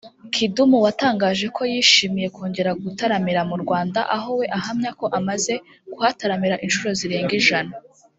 Kidum watangaje ko yishimiye kongera gutaramira mu Rwanda aho we ahamya ko amaze kuhataramira inshuro zirenga ijana